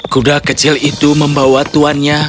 kuda kecil itu membawa tuannya